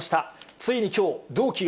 ついにきょう、同期よ。